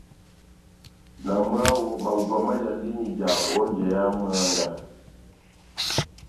Na mwáho, mahupa majandini ija ó njeya mwángá.